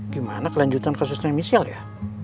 gimana kelanjutan kasusnya michelle ya